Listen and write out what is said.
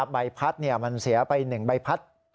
ใบพัดมันเสียไป๑ใบพัด